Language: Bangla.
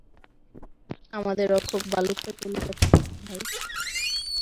আমাদের রক্ষক ভালুকটা চলে যাচ্ছে, ভাই।